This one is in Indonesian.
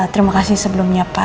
terima kasih sebelumnya pak